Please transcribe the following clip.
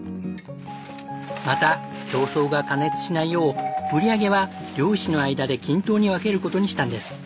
また競争が過熱しないよう売り上げは漁師の間で均等に分ける事にしたんです。